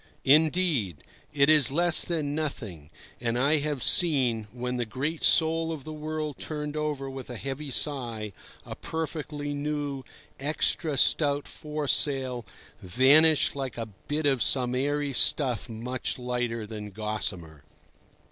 Indeed, it is less than nothing, and I have seen, when the great soul of the world turned over with a heavy sigh, a perfectly new, extra stout foresail vanish like a bit of some airy stuff much lighter than gossamer.